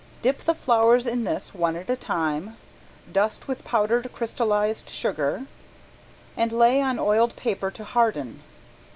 Dip the flowers in this one at a time, dust with powdered crystallized sugar, and lay on oiled paper to harden.